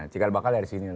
cikal bakal dari sini lah